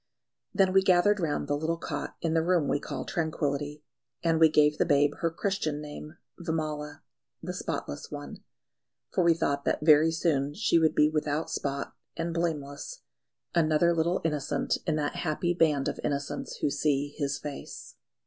Then we gathered round the little cot in the room we call Tranquillity, and we gave the babe her Christian name Vimala, the Spotless One; for we thought that very soon she would be without spot and blameless, another little innocent in that happy band of innocents who see His Face.